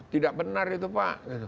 tidak benar itu pak